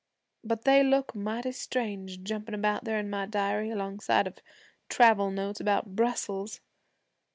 But they look mighty strange jumpin' out there in my diary alongside of travel notes about Brussels.